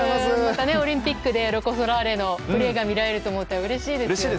オリンピックでロコ・ソラーレのプレーが見られると思ったらうれしいですね。